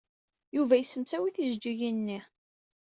Yuba yesemsawi tijejjigin-nni.